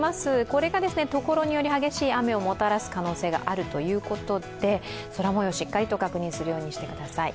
これがところにより激しい雨をもたらす可能性があるということで空もよう、しっかりと確認するようにしてください。